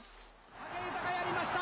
武豊、やりました。